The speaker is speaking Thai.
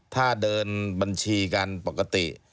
ถ้าเดินบัญชีกันปกติ